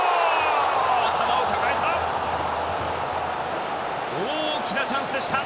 頭を抱えた！